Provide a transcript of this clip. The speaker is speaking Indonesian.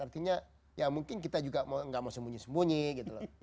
artinya ya mungkin kita juga nggak mau sembunyi sembunyi gitu loh